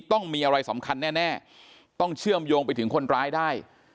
ต้องมีอะไรสำคัญแน่ต้องเชื่อมโยงไปถึงคนร้ายได้